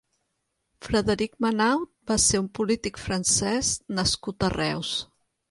Frederic Manaut va ser un polític francès nascut a Reus.